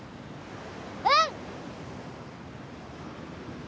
うん！